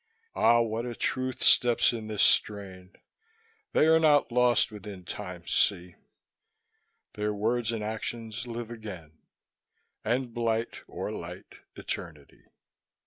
Ah, what a truth steps in this strain They are not lost within time's sea; Their words and actions live again, And blight or light eternity!